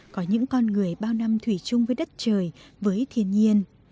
có những con người bao năm thủy chung với đất trời với thiên nhiên